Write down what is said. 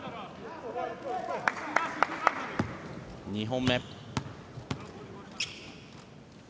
２本目。